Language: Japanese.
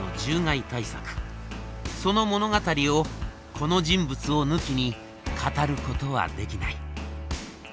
その物語をこの人物を抜きに語ることはできない。